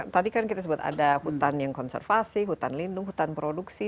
tadi kan kita sebut ada hutan yang konservasi hutan lindung hutan produksi